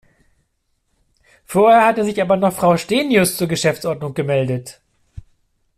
Vorher hat sich aber noch Frau Stenius zur Geschäftsordnung gemeldet.